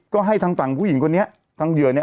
ก็ให้ทางฝั่งหุ่ยีนบนเนี่ยทางเหยื่อนี่